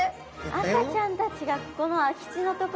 赤ちゃんたちがここの空き地の所に。